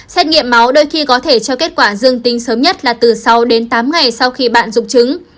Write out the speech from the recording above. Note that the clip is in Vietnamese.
xét nghiệm máu đôi khi có thể cho kết quả dương tính sớm nhất là từ sáu đến tám ngày sau khi bạn rục trứng